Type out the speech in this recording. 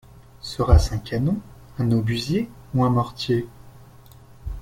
Sera-ce un canon, un obusier ou un mortier?